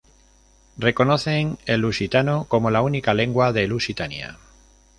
Reconocen el lusitano como la única lengua de Lusitania.